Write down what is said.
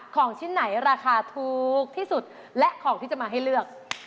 ของชิ้นไหนราคาถูกที่สุดและของที่จะมาให้เลือก